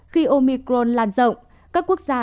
khi omicron lan rộng các quốc gia